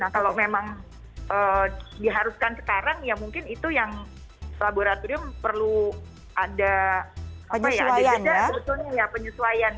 nah kalau memang diharuskan sekarang ya mungkin itu yang laboratorium perlu ada penyesuaian